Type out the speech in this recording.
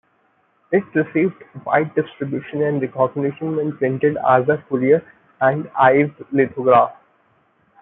It received wide distribution and recognition when printed as a Currier and Ives lithograph.